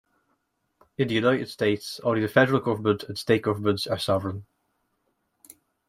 In the United States only the federal government and state governments are sovereign.